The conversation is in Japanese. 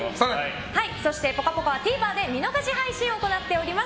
そして「ぽかぽか」はＴＶｅｒで見逃し配信を行っております。